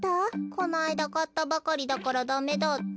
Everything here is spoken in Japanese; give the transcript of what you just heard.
このあいだかったばかりだからダメだって。